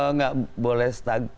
nggak boleh setag